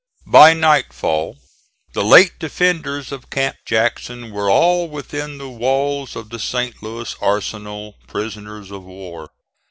By nightfall the late defenders of Camp Jackson were all within the walls of the St. Louis arsenal, prisoners of war.